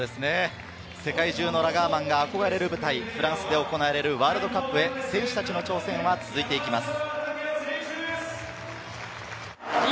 世界中のラガーマンが憧れる舞台、フランスで行われるワールドカップへ選手たちの挑戦は続いていきます。